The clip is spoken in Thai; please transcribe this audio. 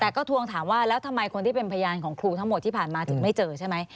แต่ก็ทวงถามว่าแล้วทำไมคนที่เป็นพยานของครูทั้งหมดที่ผ่านมาถึงไม่เจอใช่ไหม